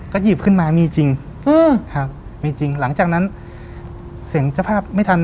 ก็หยิบขึ้นมามีจริงอืมครับมีจริงหลังจากนั้นเสียงเจ้าภาพไม่ทัน